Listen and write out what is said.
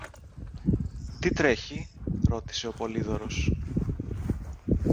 Τι τρέχει; ρώτησε ο Πολύδωρος.